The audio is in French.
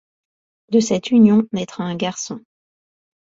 De cette union naîtra un garçon.